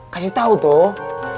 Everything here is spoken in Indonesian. kasih tau toh